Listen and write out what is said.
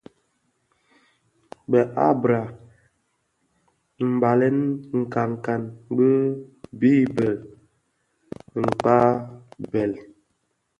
Bë habra mbalèn nkankan bi bibèl (Mkpa - Bhèl),